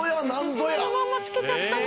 そのまんま付けちゃったの？